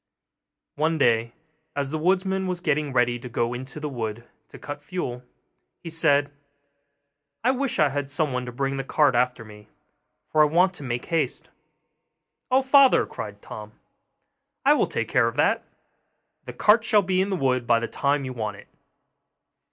One day, as the woodman was getting ready to go into the wood to cut fuel, he said, 'I wish I had someone to bring the cart after me, for I want to make haste.' 'Oh, father,' cried Tom, 'I will take care of that; the cart shall be in the wood by the time you want it.